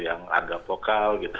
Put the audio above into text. yang agak vokal gitu